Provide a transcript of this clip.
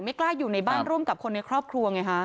กล้าอยู่ในบ้านร่วมกับคนในครอบครัวไงฮะ